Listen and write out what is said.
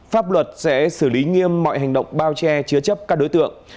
pháp luật sẽ xử lý nghiêm mọi hành động bao che chứa chấp các đối tượng